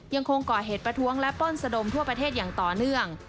ยังคงก่อเหตุประท้วงและปล้นสะดมทั่วประเทศอย่างต่อเนื่อง